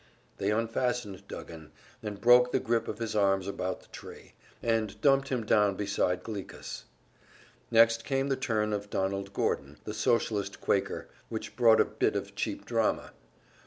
They unfastened Duggan, and broke the grip of his arms about the tree, and dumped him down beside Glikas. Next came the turn of Donald Gordon, the Socialist Quaker, which brought a bit of cheap drama.